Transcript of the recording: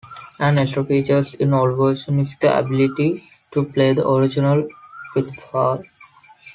An extra feature in all versions is the ability to play the original Pitfall!